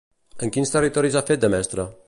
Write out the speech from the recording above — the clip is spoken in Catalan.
En quins territoris ha fet de mestra?